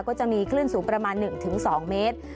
ก็จะมีคลื่นสูงประมาณ๑๒เมตร